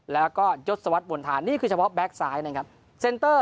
แล้วก็ยสวัตบวลทานนี่คือเฉพาะแบ็กซายนะครับเซนตเตอร์